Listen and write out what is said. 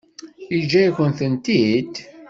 Yeǧǧa-yakent-tent-id?